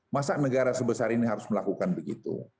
masa negara sebesar ini harus melakukan begitu